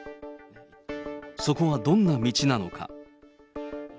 そこはどんな道なのか。